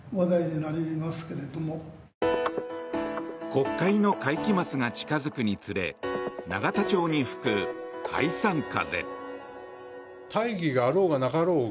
国会の会期末が近づくにつれ永田町に吹く解散風。